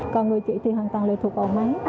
còn người chị thì hoàn toàn lại thuộc vào máy